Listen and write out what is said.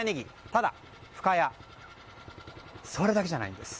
ただ深谷それだけじゃないんです。